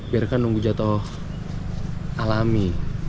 biarkan nunggu jatuh alami